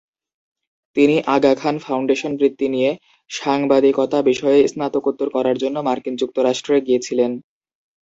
তিনি আগা খান ফাউন্ডেশন বৃত্তি নিয়ে সাংবাদিকতা বিষয়ে স্নাতকোত্তর করার জন্য মার্কিন যুক্তরাষ্ট্রে গিয়েছিলেন।